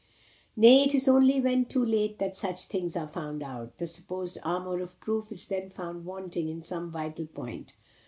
"Nay, it is only when too late that such things are found out. The supposed armour of proof is then found wanting at some vital point.